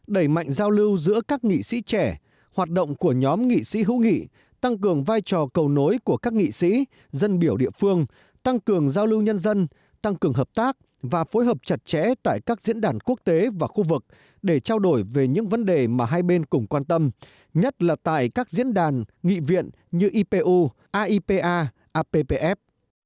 đẩy mạnh giao lưu giữa các nghị sĩ trẻ hoạt động của nhóm nghị sĩ hữu nghị tăng cường vai trò cầu nối của các nghị sĩ dân biểu địa phương tăng cường giao lưu nhân dân tăng cường hợp tác và phối hợp chặt chẽ tại các diễn đàn quốc tế và khu vực để trao đổi về những vấn đề mà hai bên cùng quan tâm nhất là tại các diễn đàn nghị viện như ipu aipa appf